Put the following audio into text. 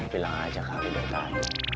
bilang aja kali beritahu